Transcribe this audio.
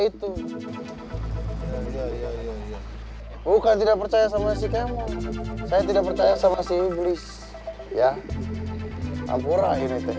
itu bukan tidak percaya sama si kemo saya tidak percaya sama si blis ya ampun akhirnya